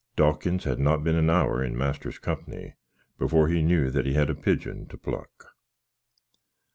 Dawkins had not been an hour in master's compny before he knew that he had a pidgin to pluck.